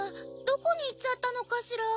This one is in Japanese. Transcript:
どこにいっちゃったのかしら？